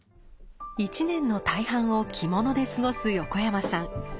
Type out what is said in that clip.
１年の大半を着物で過ごす横山さん。